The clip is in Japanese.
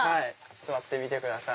座ってみてください。